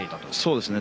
そうですね。